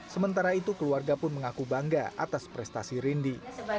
sementara itu keluarga pun mengaku bangga atas prestasi rindy